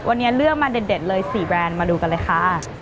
วันนี้เลือกมาเด็ดเลย๔แบรนด์มาดูกันเลยค่ะ